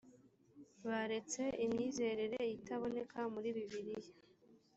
baretse imyizerere itaboneka muri bibiliya